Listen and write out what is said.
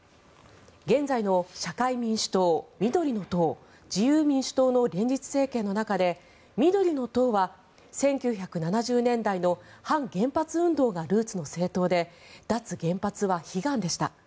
現在の社会民主党、緑の党自由民主党の連立政権の中で緑の党は１９７０年代の反原発運動がルーツの政党で脱原発は悲願でした。